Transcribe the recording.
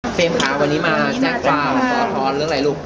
เฟรมค่ะวันนี้มาแจ้งความขออธรรมเรื่องไหนลูก